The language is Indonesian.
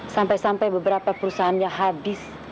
sampai sampai beberapa perusahaannya habis